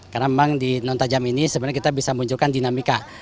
karena memang di non tajam ini sebenarnya kita bisa munculkan dinamika